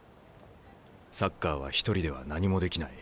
サッカーは一人では何もできない。